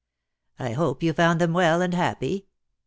" I hope you found them well and happy.''